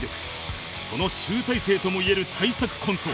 その集大成ともいえる大作コント